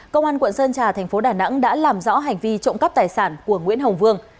công an quận sơn trà thành phố đà nẵng đã làm rõ hành vi trộm cắp tài sản của nguyễn hồng vương